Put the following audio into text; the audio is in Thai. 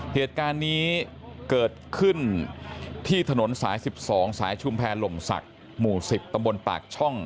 เหตุการณ์นี้เกิดขึ้นที่ถนนสาย๑๒สายชุมแพรหล่มศักดิ์หมู่๑๐ตำบลปากช่อง